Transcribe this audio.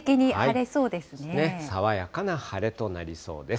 爽やかな晴れとなりそうです。